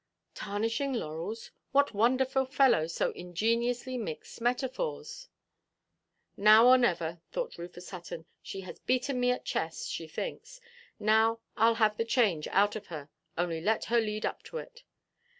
Tarnishing laurels! What wonderful fellow so ingeniously mixed metaphors? "Now or never," thought Rufus Hutton; "she has beaten me at chess, she thinks. Now, Iʼll have the change out of her. Only let her lead up to it."